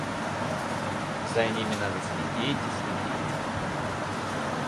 За ними надо следить и следить.